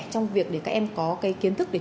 trong việc để các em có cái kiến thức để